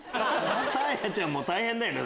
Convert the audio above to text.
サーヤちゃんも大変だよね。